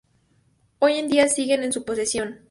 Hoy en día, siguen en su posesión.